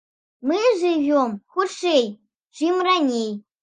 Мы жывём хутчэй, чым раней.